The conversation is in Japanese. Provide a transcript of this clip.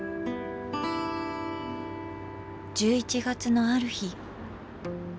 １１月のある日。